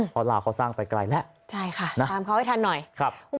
เพราะลาวเขาสร้างไปไกลแล้วใช่ค่ะตามเขาให้ทันหน่อยครับ